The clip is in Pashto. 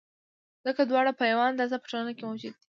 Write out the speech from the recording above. ځکه دواړه په یوه اندازه په ټولنه کې موجود دي.